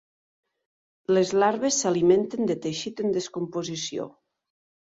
Les larves s'alimenten de teixit en descomposició.